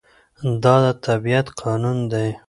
دا د طبيعت قانون دی.